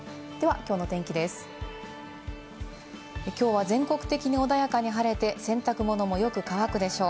きょうは全国的に穏やかに晴れて、洗濯物もよく乾くでしょう。